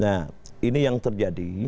nah ini yang terjadi